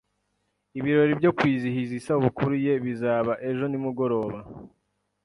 Ibirori byo kwizihiza isabukuru ye bizaba ejo nimugoroba